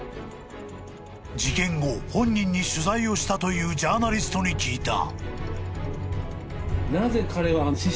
［事件後本人に取材をしたというジャーナリストに聞いた］